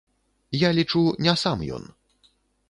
Я лічу, не сам ён.